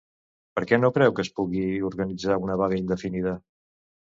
Per què no creu que es pugui organitzar una vaga indefinida?